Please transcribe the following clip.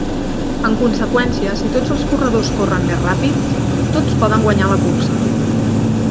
En conseqüència, si tots els corredors corren més ràpid, tots poden guanyar la cursa.